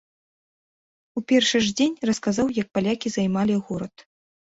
У першы ж дзень расказаў, як палякі займалі горад!